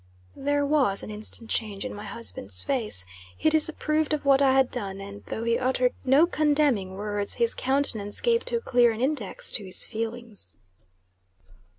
There was an instant change in my husband's face. He disapproved of what I had done; and, though he uttered no condemning words, his countenance gave too clear an index to his feelings.